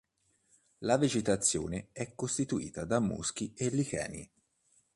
La vegetazione è costituita da muschi e licheni.